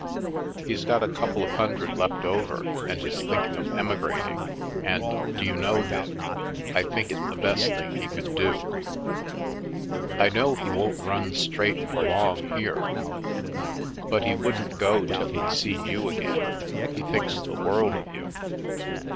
He's got a couple of hundred left over and is thinking of emigrating, and, do you know, Viv, I think it the best thing he could do. I know he won't run straight for A Long Lost Parent long here. But he wouldn't go till he'd seen you again ; he thinks the world of you.